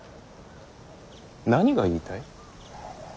何が言いたい。